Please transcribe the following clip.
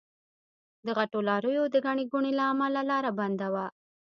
د غټو لاريو د ګڼې ګوڼې له امله لار بنده وه.